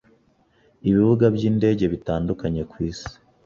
ibibuga by'indege bitandukanye ku isi